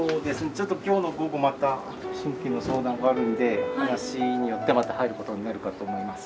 ちょっと今日の午後また新規の相談があるので話によってはまた入ることになるかと思います。